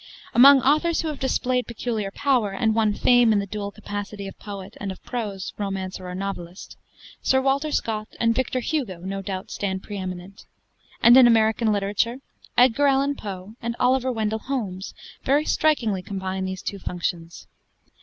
Among authors who have displayed peculiar power and won fame in the dual capacity of poet and of prose romancer or novelist, Sir Walter Scott and Victor Hugo no doubt stand pre eminent; and in American literature, Edgar Allan Poe and Oliver Wendell Holmes very strikingly combine these two functions.